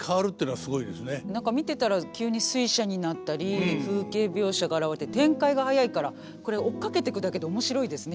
何か見てたら急に水車になったり風景描写があらわれて展開が早いからこれ追っかけていくだけで面白いですね